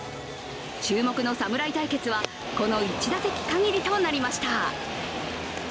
注目の侍対決はこの１打席限りとなりました。